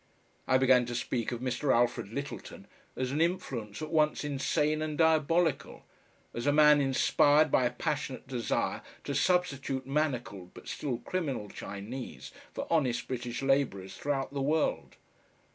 I began to speak of Mr. Alfred Lyttelton as an influence at once insane and diabolical, as a man inspired by a passionate desire to substitute manacled but still criminal Chinese for honest British labourers throughout the world.